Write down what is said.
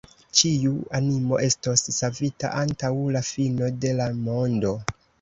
Ĉiu animo estos savita antaŭ la fino de la mondo.